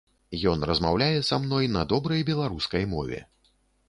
Ён размаўляе са мной на добрай беларускай мове.